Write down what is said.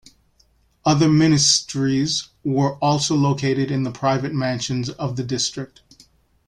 Other Ministries were also located in the private mansions of the district.